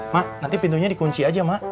mak nanti pintunya dikunci aja mak